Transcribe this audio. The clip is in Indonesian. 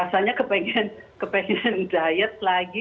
rasanya kepengen diet lagi